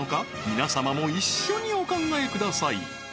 皆様も一緒にお考えください